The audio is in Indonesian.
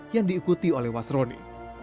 yang diikuti oleh wasroni